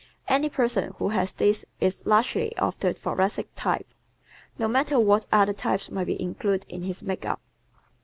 Any person who has these is largely of the Thoracic type, no matter what other types may be included in his makeup.